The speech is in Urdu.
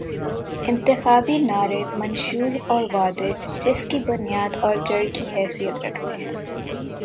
انتخابی نعرے، منشور اور وعدے، جس کی بنیاداور جڑ کی حیثیت رکھتے تھے۔